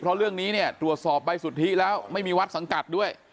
เพราะเรื่องนี้เนี่ยตรวจสอบใบสุทธิแล้วไม่มีวัดสังกัดด้วย